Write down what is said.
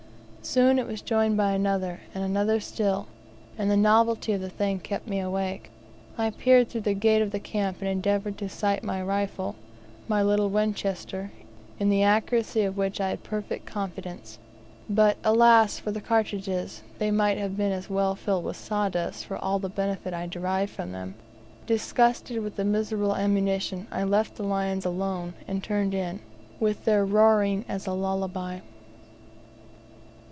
Soon it was joined by another, and another still, and the novelty of the thing kept me awake. I peered through the gate of the camp, and endeavoured to sight a rifle my little Winchester, in the accuracy of which I had perfect confidence; but, alas! for the cartridges, they might have been as well filled with sawdust for all the benefit I derived from them. Disgusted with the miserable ammunition, I left the lions alone, and turned in, with their roaring as a lullaby.